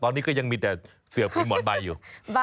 ตอนนี้ก็ยังมีแต่เสือภูมิหมอนใบอยู่